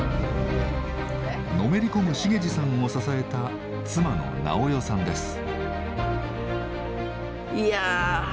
のめり込む茂司さんを支えた妻の直代さんです。